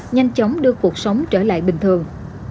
nhanh chóng đưa cuộc sống trở lại bình thường